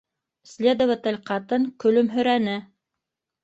Следователь ҡатын көлөмһөрәне: